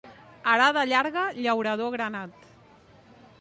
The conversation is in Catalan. Arada llarga, llaurador granat.